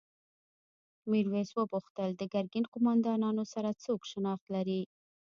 میرويس وپوښتل د ګرګین قوماندانانو سره څوک شناخت لري؟